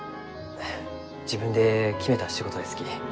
自分で決めた仕事ですき。